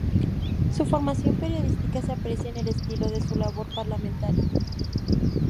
Su formación periodística se aprecia en el estilo de su labor parlamentaria.